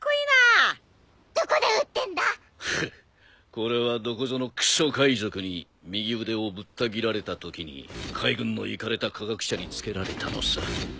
これはどこぞのくそ海賊に右腕をぶった斬られたときに海軍のいかれた科学者につけられたのさ。